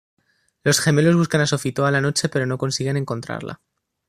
Los gemelos buscan a Sophie toda la noche pero no consiguen encontrarla.